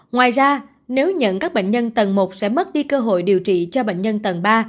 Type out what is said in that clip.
ngoài ra nếu nhận các bệnh nhân tầng một sẽ mất đi cơ hội điều trị cho bệnh nhân tầng ba